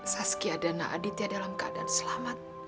saskia dana aditya dalam keadaan selamat